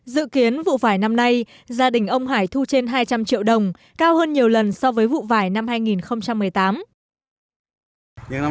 dự kiến vụ vải năm nay gia đình ông hải thu trên hai trăm linh triệu đồng cao hơn nhiều lần so với vụ vải năm hai nghìn một mươi tám